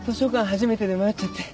初めてで迷っちゃって。